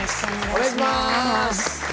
お願いします。